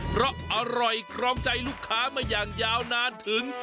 เพราะอร่อยครองใจลูกค้ามาอย่างยาวนานถึง